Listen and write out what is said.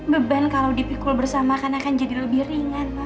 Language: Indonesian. beban kalau dipikul bersama akan jadi lebih ringan mbak